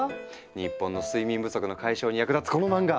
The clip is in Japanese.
日本の睡眠不足の解消に役立つこの漫画！